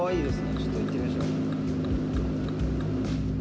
ちょっと行ってみましょう。